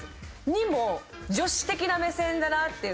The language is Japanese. ２も女子的な目線だなって。